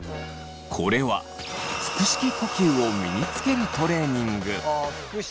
これは腹式呼吸を身につけるトレーニング。